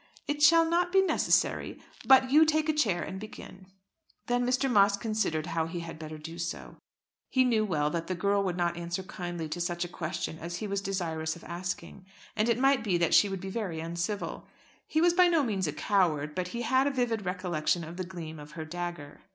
"It shall not be necessary, but you take a chair and begin!" Then Mr. Moss considered how he had better do so. He knew well that the girl would not answer kindly to such a question as he was desirous of asking. And it might be that she would be very uncivil. He was by no means a coward, but he had a vivid recollection of the gleam of her dagger.